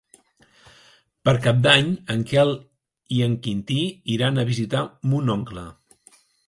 Per Cap d'Any en Quel i en Quintí iran a visitar mon oncle.